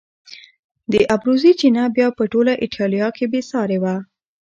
د ابروزي چینه بیا په ټوله ایټالیا کې بې سارې وه.